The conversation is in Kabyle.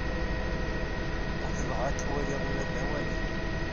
Ukḍeɣ ad k-waliɣ ula d awali.